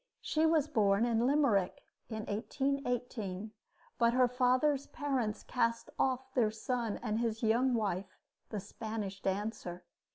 She was born in Limerick in 1818, but her father's parents cast off their son and his young wife, the Spanish dancer.